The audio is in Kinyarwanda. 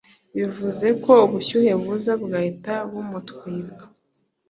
bivuze ko ubushyuhe buza bugahita bumutwika